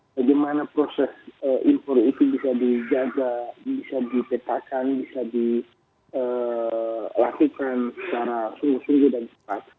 bagaimana proses impor itu bisa dijaga bisa dipetakan bisa dilakukan secara sungguh sungguh dan cepat